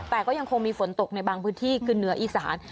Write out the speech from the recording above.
แต่ก็ยังคงมีฝนตกในบางพื้นที่คือเหนืออีสาน